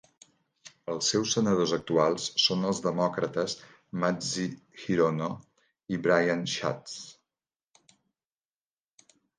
Els seus senadors actuals són els demòcrates Mazie Hirono i Brian Schatz.